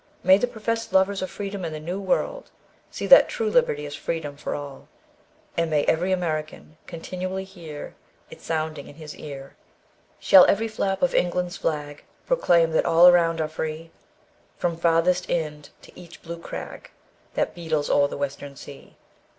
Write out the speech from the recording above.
May the professed lovers of freedom in the new world see that true liberty is freedom for all! and may every American continually hear it sounding in his ear: "Shall every flap of England's flag Proclaim that all around are free, From 'farthest Ind' to each blue crag That beetles o'er the Western Sea?